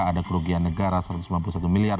ada kerugian negara satu ratus sembilan puluh satu miliar